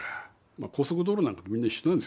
高速道路なんかもみんな一緒なんですよね。